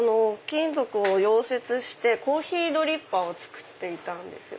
金属を溶接してコーヒードリッパーを作っていたんです。